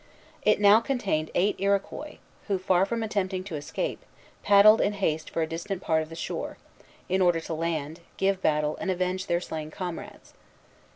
It now contained eight Iroquois, who, far from attempting to escape, paddled in haste for a distant part of the shore, in order to land, give battle, and avenge their slain comrades.